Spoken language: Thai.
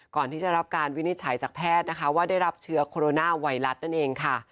ก่อนที่จะรับการวินิจฉัยจากแพทย์นะคะว่าได้รับเชื้อโคโรนาไวรัสนั่นเองค่ะ